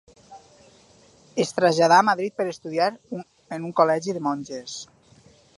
Es traslladà a Madrid per estudiar en un col·legi de monges.